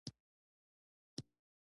د سالنګ تونل هوا ولې ککړه ده؟